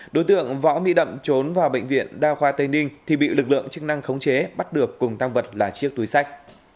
đối tượng võ mỹ đậm trốn vào bệnh viện đa khoa tây ninh thì bị lực lượng chức năng khống chế bắt được cùng tăng vật là chiếc túi sách